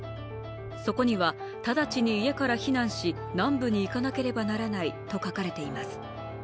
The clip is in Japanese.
そこには、直ちに家から避難し、南部に行かなければならないと書かれています。